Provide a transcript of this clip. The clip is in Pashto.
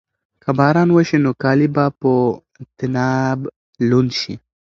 که باران وشي نو کالي به په طناب لوند شي.